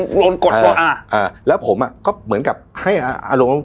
อ่ากำลังโดนโดนกดอ่าอ่าแล้วผมอ่ะก็เหมือนกับให้อารมณ์